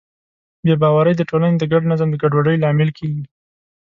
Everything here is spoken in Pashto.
بې باورۍ د ټولنې د ګډ نظم د ګډوډۍ لامل کېږي.